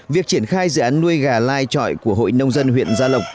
việc triển khai dự án nuôi gà lai trọi của hội nông dân huyện gia lộc